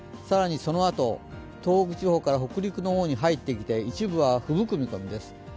更にそのあと、東北地方から北陸の方に入ってきて、一部はふぶく見込みです。